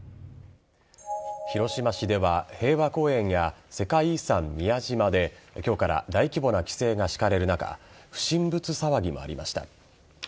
広島市では平和公園や世界遺産・宮島で今日から大規模な規制が敷かれる中不審物騒ぎもありました。